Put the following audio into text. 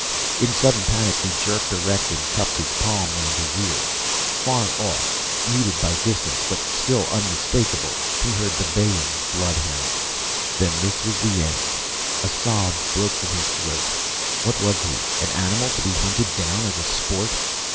_ _In sudden panic he jerked erect and cupped his palm round his ear. Far off; muted by distance, but still unmistakable; he heard the baying of bloodhounds. Then this was the end. A sob broke from his throat. What was he, an animal; to be hunted down as a sport?